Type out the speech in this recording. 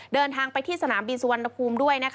เดินทางไปที่สนามบินสุวรรณภูมิด้วย